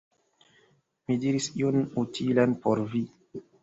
Mi diris ion utilan por vi!